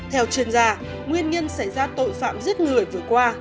theo chuyên gia nguyên nhân xảy ra tội phạm giết người vừa qua